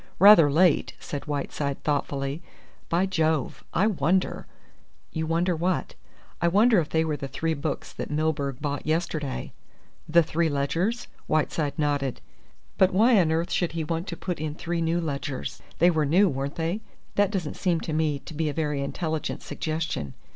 "Rather late," said Whiteside thoughtfully. "By Jove! I wonder!" "You wonder what?" "I wonder if they were the three books that Milburgh bought yesterday?" "The three ledgers?" Whiteside nodded. "But why on earth should he want to put in three new ledgers they were new, weren't they? That doesn't seem to me to be a very intelligent suggestion.